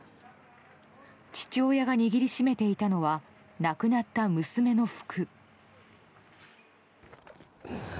父親が握りしめていたのは亡くなった娘の服。